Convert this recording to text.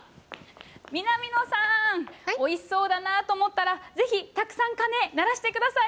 南野さん、おいしそうだなと思ったら、ぜひ、たくさん鐘、鳴らしてください。